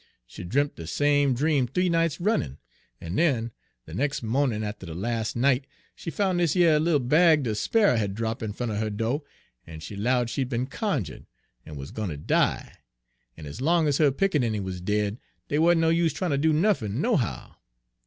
She dremp' de same dream th'ee nights runnin', en den, de nex' mawnin' atter de las' night, she foun' dis yer little bag de sparrer had drap' in front her do'; en she 'lowed she'd be'n cunju'd, en wuz gwine ter die, en ez long ez her pickaninny wuz dead dey wa'n't no use tryin' ter do nuffin nohow.